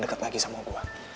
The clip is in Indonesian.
deket lagi sama gue